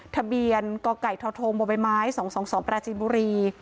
ทะเบียนกไก่ทธงบไม๒๒๒๘จีนบุรี